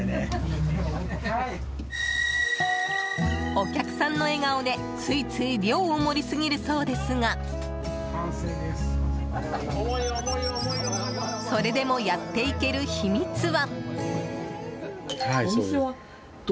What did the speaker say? お客さんの笑顔で、ついつい量を盛りすぎるそうですがそれでもやっていける秘密は？